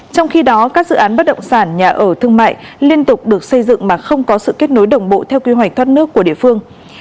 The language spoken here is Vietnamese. trong khi đó các dự án bất động sản nhà ở thương mại liên tục được xây dựng mà không có sự kết nối đồng bộ theo quy hoạch thoát nước của địa phương